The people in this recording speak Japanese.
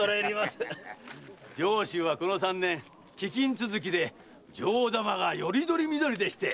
上州はこの三年飢饉続きで上玉がよりどりみどりでして。